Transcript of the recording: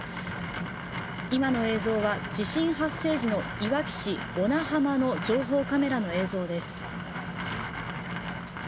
今の映像は地震発生時のいわき市小名浜の情報カメラの映像です。